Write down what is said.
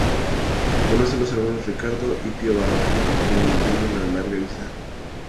Conoce a los hermanos Ricardo y Pío Baroja, con quienes mantiene una larga amistad.